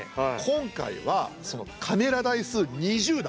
今回はそのカメラ台数２０台。